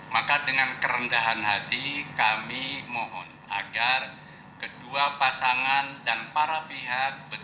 maka dengan kerendahan hati kami mohon agar kedua pasangan dan para pihak